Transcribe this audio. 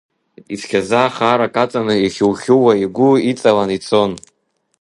Ицқьаӡа, хаарак аҵаны, ихьухьууа игәы иҵалан ицон…